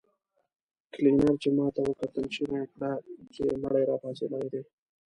کلينر چې ماته وکتل چيغه يې کړه چې مړی راپاڅېدلی دی.